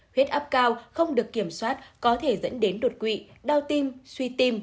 huyết áp cao không được kiểm soát có thể dẫn đến đột quỵ đau tim suy tim